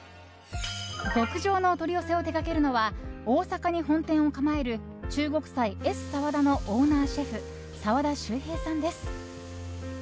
極上のお取り寄せを手掛けるのは大阪に本店を構える中国菜エスサワダのオーナーシェフ澤田州平さんです。